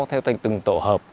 theo từng tổ hợp